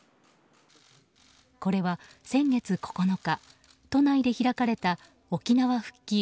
これは、先月９日都内で開かれた沖縄復帰